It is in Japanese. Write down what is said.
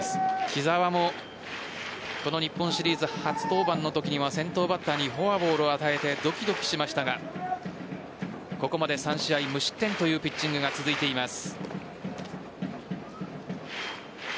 木澤もこの日本シリーズ初登板のときには先頭バッターにフォアボールを与えてドキドキしましたがここまで３試合無失点というピッチングが続いています。